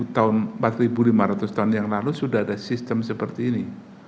tahun empat lima ratus tahun yang lalu sudah ada sistem seperti ini